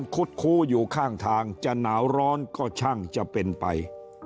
คุดคู้อยู่ข้างทางจะหนาวร้อนก็ช่างจะเป็นไป